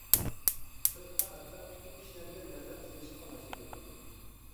سىرتقا، ئەتراپتىكى كىشىلەرگە نەزەر سېلىشقا باشلىدىم.